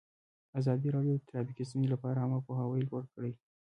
ازادي راډیو د ټرافیکي ستونزې لپاره عامه پوهاوي لوړ کړی.